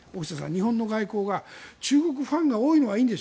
日本の外交が中国ファンが多いのはいいんです。